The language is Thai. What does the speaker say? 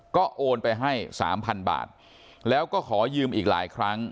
ก็โอนไปให้สามพันบาทแล้วก็ขอยืมอีกหลายครั้ง